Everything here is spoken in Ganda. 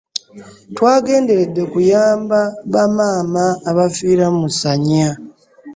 Twagenderedde kuyamba bamaama abafiira mu ssanya.